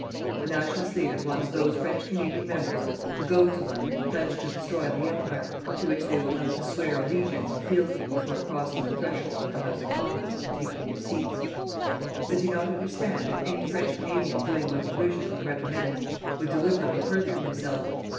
The Nationalist leader wants those French Canadian Members to go to London pledged to destroy the Empire to which they will have to swear allegiance and fealty before crossing the threshold of the House of Commons and taking their seats. Does he not understand that any French Canadian doing what he wishes and recommends would deliberately perjure himself?